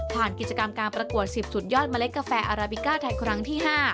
กิจกรรมการประกวด๑๐สุดยอดเมล็ดกาแฟอาราบิก้าไทยครั้งที่๕